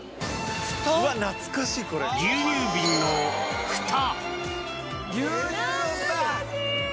牛乳瓶のふた。